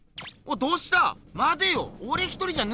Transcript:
どうした？